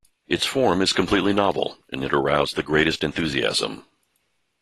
Its form is completely novel and it aroused the greatest enthusiasm.